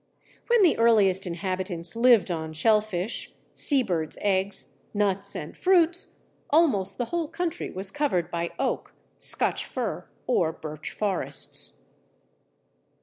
When the earliest inhabitants lived on shell fish, seabirds' eggs, nuts, and fruits, almost the whole country was covered by oak, Scotch fir, or birch forests.